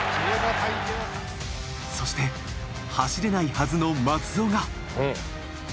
そして走れないはずの松尾が。